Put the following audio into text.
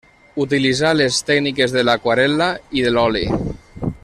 Utilitzà les tècniques de l’aquarel·la i de l’oli.